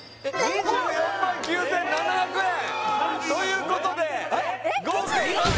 ２４万９７００円ということで合計がえっ！？